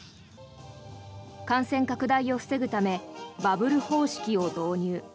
感染拡大を防ぐためバブル方式を導入。